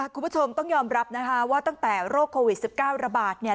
คุณผู้ชมต้องยอมรับนะคะว่าตั้งแต่โรคโควิด๑๙ระบาดเนี่ย